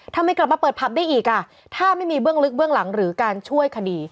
ทำไมกลับมาเปิดผับได้อีกอ่ะถ้าไม่มีเบื้องลึกเบื้องหลังหรือการช่วยคดี